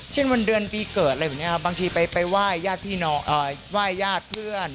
เช่นวันเดือนปีเกิดอะไรแบบนี้ครับบางทีไปว่ายาดพี่น้องว่ายาดเพื่อน